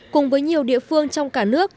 cùng với nhiều địa phương trong cả nước